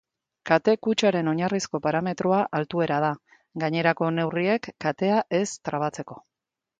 Kate-kutxaren oinarrizko parametroa altuera da, gainerako neurriek, katea ez trabatzeko.